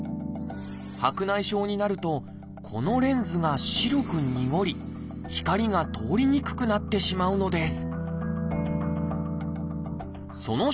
白内障になるとこのレンズが白くにごり光が通りにくくなってしまうのです。